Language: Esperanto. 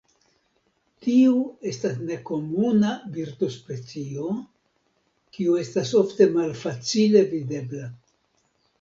Tiu estas nekomuna birdospecio kiu estas ofte malfacile videbla.